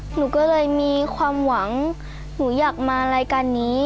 หนูก็เลยมีความหวังหนูอยากมารายการนี้